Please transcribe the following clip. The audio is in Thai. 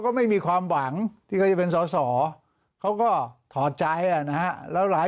ไม่มีความหวังที่เขาจะเป็นสอสอเขาก็ถอดใจนะฮะแล้วหลาย